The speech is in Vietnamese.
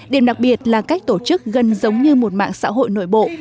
điểm đặc biệt là cách tổ chức gần giống như một mạng xã hội nội bộ